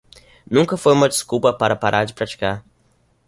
Nunca foi uma desculpa para parar de praticar